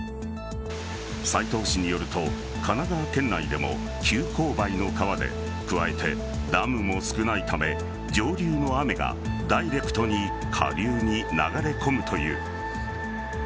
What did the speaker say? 斎藤氏によると神奈川県内でも急勾配の川で加えて、ダムも少ないため上流の雨が、ダイレクトに下流に流れ込むという。